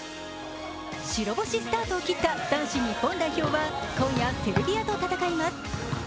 白星スタートを切った男子日本代表は今夜、セルビアと戦います。